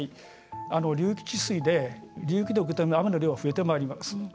流域治水で流域で受け止める雨の量が増えてまいります。